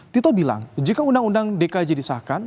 tito bilang jika undang undang dkj disahkan